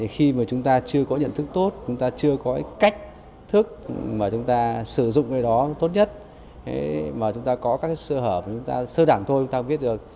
khi mà chúng ta chưa có nhận thức tốt chúng ta chưa có cách thức mà chúng ta sử dụng cái đó tốt nhất mà chúng ta có các sơ hở của chúng ta sơ đẳng thôi chúng ta biết được